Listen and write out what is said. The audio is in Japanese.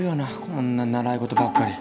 こんな習い事ばっかり。